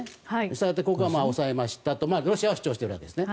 したがってここは押さえたとロシアは主張しているわけです。